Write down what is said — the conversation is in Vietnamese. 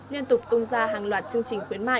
liên tục tung ra hàng loạt chương trình khuyến mại